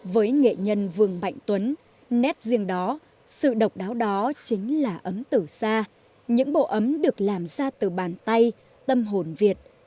với nghệ nhân vương mạnh tuấn nét riêng đó sự độc đáo đó chính là ấm từ xa những bộ ấm được làm ra từ bàn tay tâm hồn việt